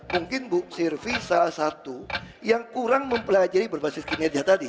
mungkin bu sirvi salah satu yang kurang mempelajari berbasis kinerja tadi